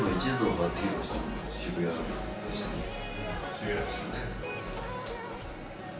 渋谷でしたね。